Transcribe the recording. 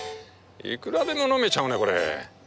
いくらでも飲めちゃうねこれ。